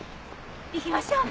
行きましょう！